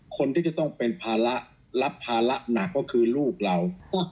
คนที่จะต้องเป็นภาระรับภาระหนักก็คือลูกเรา